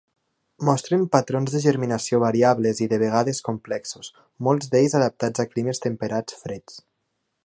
Mostren patrons de germinació variables i de vegades complexos, molts d'ells adaptats a climes temperats freds.